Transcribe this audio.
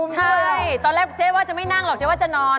ใช่ตอนแรกเจ๊ว่าจะไม่นั่งหรอกเจ๊ว่าจะนอน